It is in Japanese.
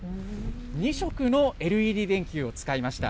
２色のＬＥＤ電球を使いました。